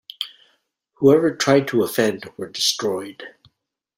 Who ever tried to offend were destroyed.